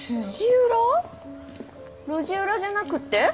「路地裏」じゃなくって？